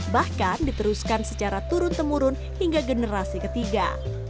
bahkan diteruskan secara turun temurun hingga generasi ketiga